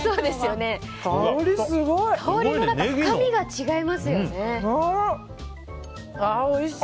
香りも深みが違いますよね。